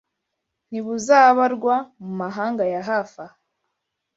Ntibuzabarwa mu mahanga ya hafi aha